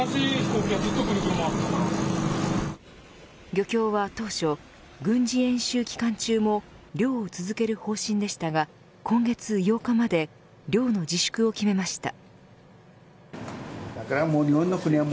漁協は当初軍事演習期間中も漁を続ける方針でしたが今月８日まで漁の自粛を決めました。